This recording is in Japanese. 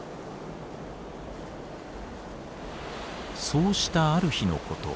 そうしたある日のこと。